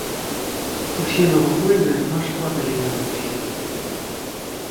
Усе навакольныя аж падалі за гэтай зямлёй.